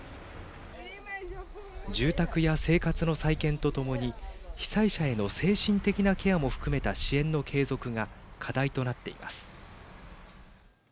住宅や生活の再建とともに被災者への精神的なケアも含めた支援の継続が課題となっています。